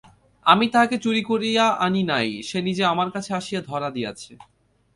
আমি তাহাকে চুরি করিয়া আনি নাই, সে নিজে আমার কাছে আসিয়া ধরা দিয়াছে।